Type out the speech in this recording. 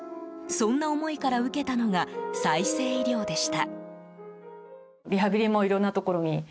そんな思いから受けたのが再生医療でした。